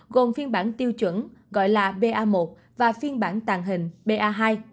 gồm phiên bản tiêu chuẩn gọi là ba một và phiên bản tàng hình ba hai